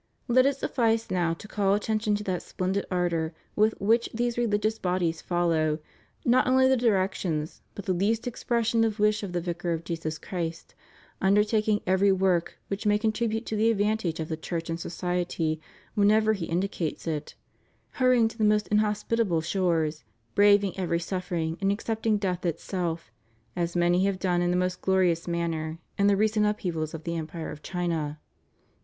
Let it suffice now, to call attention ta that splendid ardor with, which these religious bodies follow, not only the directions, but the least expression of wish of the Vicar of Jesus Christ; undertaking every work which may contribute to the advantage of the Church and society whenever He indicates it; hurrying to the most inhospitable shores; braving every suffering and accepting death itself, as many have done in the most glorious manner in the recent upheavals of the empire of China.